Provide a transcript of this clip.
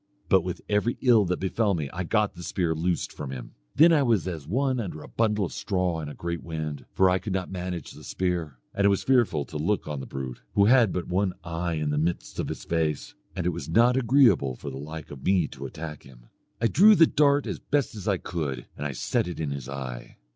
But with every ill that befell me I got the spear loosed from him. Then I was as one under a bundle of straw in a great wind, for I could not manage the spear. And it was fearful to look on the brute, who had but one eye in the midst of his face; and it was not agreeable for the like of me to attack him. I drew the dart as best I could, and I set it in his eye.